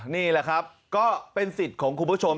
นี่แหละครับก็เป็นสิทธิ์ของคุณผู้ชม